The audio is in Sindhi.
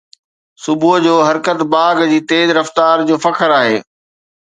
صبح جو حرڪت باغ جي تيز رفتار جو فخر آهي